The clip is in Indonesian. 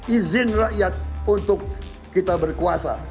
izin rakyat untuk kita berkuasa